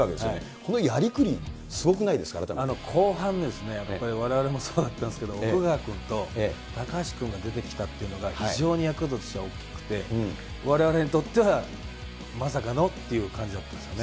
このやりくり、すごくないですか、後半、やっぱりわれわれもそうだったんですけれども、奥川君と高橋君が出てきたというのが、非常にヤクルトとしては大きくて、われわれにとってはまさかのっていう感じだったんですよね。